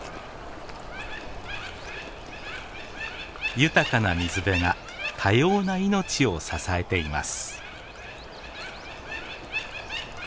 豊かな水辺が多様な命を支えています。